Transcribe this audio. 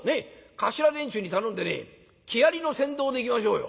頭連中に頼んでね木遣りの先導で行きましょうよ。